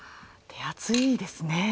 手厚いですね。